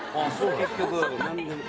結局。